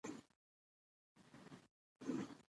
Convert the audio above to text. افغانستان د مزارشریف له پلوه له نورو هېوادونو سره اړیکې لري.